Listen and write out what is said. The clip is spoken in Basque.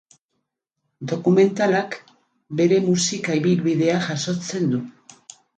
Dokumentalak bere musika ibilbidea jasotzen du.